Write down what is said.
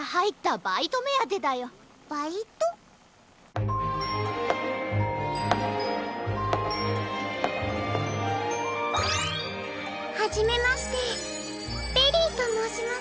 バイト？はじめましてベリーともうします。